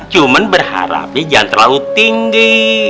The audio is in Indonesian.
cuman berharapnya jangan terlalu tinggi